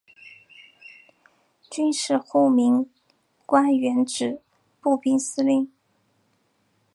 军事护民官原指步兵司令。